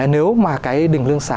nếu mà cái đình lương xá